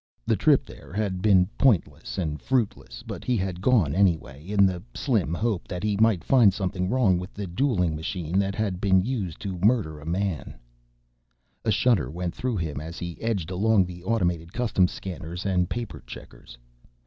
The trip there had been pointless and fruitless. But he had gone anyway, in the slim hope that he might find something wrong with the dueling machine that had been used to murder a man. A shudder went through him as he edged along the automated customs scanners and paper checkers.